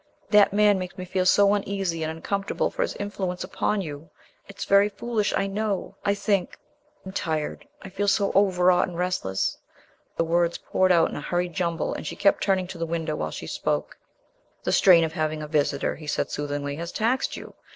That man makes me feel so uneasy and uncomfortable for his influence upon you. It's very foolish, I know. I think... I'm tired; I feel so overwrought and restless." The words poured out in a hurried jumble and she kept turning to the window while she spoke. "The strain of having a visitor," he said soothingly, "has taxed you.